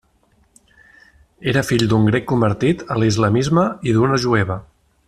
Era fill d'un grec convertit a l'islamisme i d'una jueva.